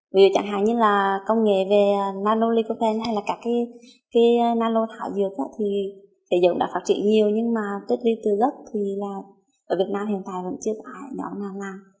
vì chẳng hạn như là công nghệ về nano licopene hay là các cái nano thảo dược thì thế giới cũng đã phát triển nhiều nhưng mà tích ly từ cây gất thì ở việt nam hiện tại vẫn chưa tải nhỏ nào nào